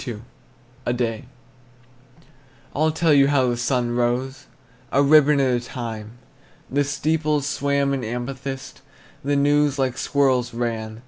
A DAY. I'll tell you how the sun rose, A ribbon at a time. The steeples swam in amethyst, The news like squirrels ran.